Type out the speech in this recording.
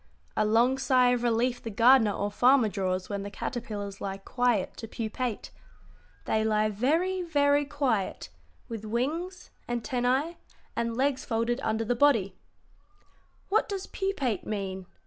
A long sigh of relief the gardener or farmer draws when the caterpillars lie quiet to pupate. They lie very, very quiet, with wings, antennæ, and legs folded under the body." "What does pupate mean?"